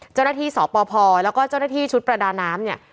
เจ้าหน้าที่สอบปพแล้วก็เจ้าหน้าที่ชุดประดาน้ำเนี่ย